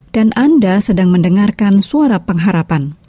dan anda sedang mendengarkan suara pengharapan